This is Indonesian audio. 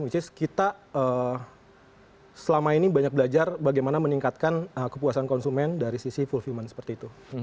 which is kita selama ini banyak belajar bagaimana meningkatkan kepuasan konsumen dari sisi full human seperti itu